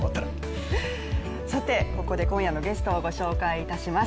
ここで今夜のゲストをご紹介いたします。